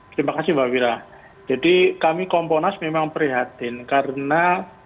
terima kasih mbak wira jadi kami komponas memang prihatin karena